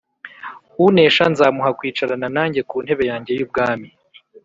“Unesha nzamuha kwicarana nanjye ku ntebe yanjye y’ubwami,